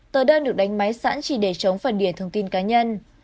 tờ đơn được đánh máy sẵn chỉ để chống phần đỉa thông tin cá nhân